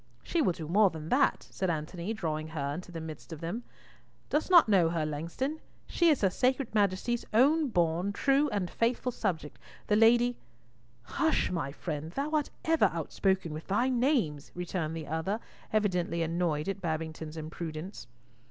"She will do more than that!" said Antony, drawing her into the midst of them. "Dost not know her, Langston? She is her sacred Majesty's own born, true, and faithful subject, the Lady—" "Hush, my friend; thou art ever over outspoken with thy names," returned the other, evidently annoyed at Babington's imprudence.